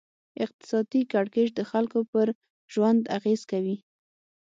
اقتصادي کړکېچ د خلکو پر ژوند اغېز کوي.